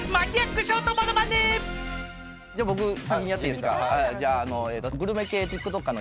じゃあ僕先にやっていいですか？